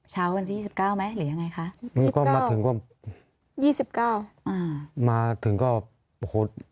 เช้ากันสิยี่สิบเก้าไหมหรือยังไงคะยี่สิบเก้าอ่ามาถึงก็โอ้โฮ